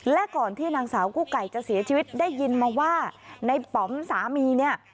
และก่อนที่นางสาวกู้ไก่จะเสียชีวิตได้ยินมาว่าในป๋อมสามีเนี่ย